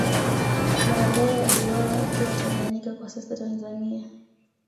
Baadae aliuawa akiwa Tanganyika kwa sasa Tanzania